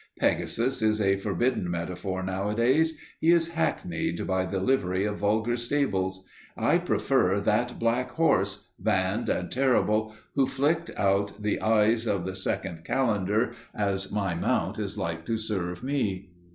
Pegasus is a forbidden metaphor nowadays. He is hackneyed by the livery of vulgar stables. I prefer that Black Horse, vanned and terrible, who flicked out the eyes of the Second Calender, as my mount is like to serve me!